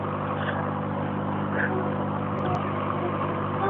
公路在大多伦多地区内分两段设长短途行车线分流。